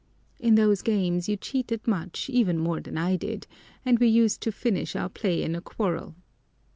In those games you cheated much, even more than I did, and we used to finish our play in a quarrel.